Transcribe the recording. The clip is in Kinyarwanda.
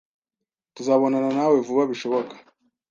Tuzabonana nawe vuba bishoboka.